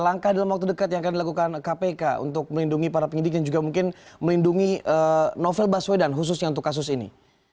langkah dalam waktu dekat yang akan dilakukan kpk untuk melindungi para penyidik dan juga mungkin melindungi novel baswedan khususnya untuk kasus ini